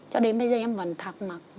cho đến bây giờ em vẫn thắc mắc